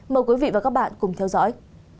mời quý vị và các bạn cùng theo dõi